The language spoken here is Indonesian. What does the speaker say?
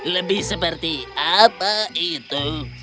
lebih seperti apa itu